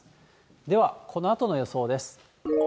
ではこのあとの予想です。